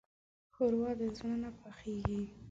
ښوروا د زړه نه پخېږي.